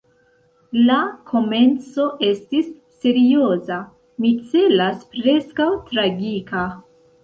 La komenco estis serioza, mi celas – preskaŭ tragika.